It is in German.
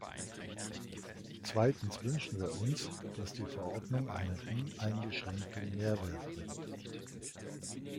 Zweitens wünschen wir uns, dass die Verordnung einen uneingeschränkten Mehrwert bringt.